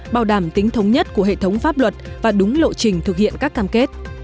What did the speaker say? bảo đảm tính thống nhất của hệ thống pháp luật và đúng lộ trình thực hiện các cam kết